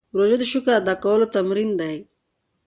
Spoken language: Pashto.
روژه د شکر ادا کولو تمرین دی.